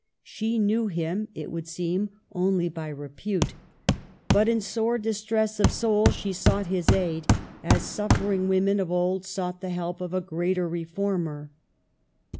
She knew him, it would seem, only by repute ; but in sore distress of soul she sought his aid, as suffering women of old sought the help of a greater Reformer.